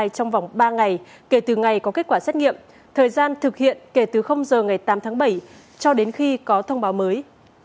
trong vòng ba ngày kể từ ngày có kết quả xét nghiệm thời gian thực hiện kể từ giờ ngày tám tháng bảy cho đến khi có thông báo mới